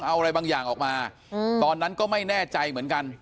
เอาอะไรบางอย่างออกมาตอนนั้นก็ไม่แน่ใจเหมือนกัน